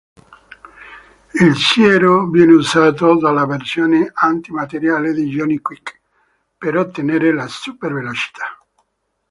Il siero viene usato dalla versione anti-materiale di Johnny Quick per ottenere la super-velocità.